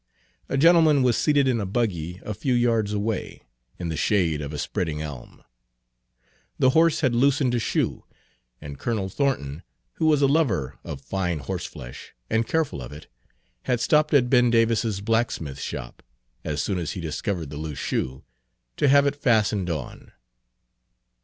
A gentleman was seated in a buggy a few yards away, in the shade of a spreading elm. The horse had loosened a shoe, and Colonel Thornton, who was a lover of fine horseflesh, and careful of it, had stopped at Ben Davis's blacksmith shop, as soon as he discovered the loose shoe, to have it fastened on.